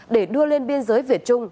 để đưa lên biên giới việt trung